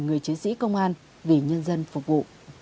người chiến sĩ công an vì nhân dân phục vụ